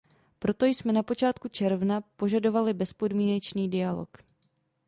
Proto jsme na počátku června požadovali bezpodmínečný dialog.